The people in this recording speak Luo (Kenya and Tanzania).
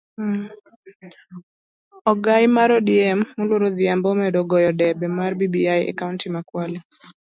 Ogai mar odm moluor Odhiambo omedo goyo debe mar bbi e kaunti ma kwale